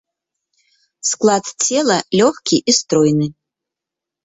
Склад цела лёгкі і стройны.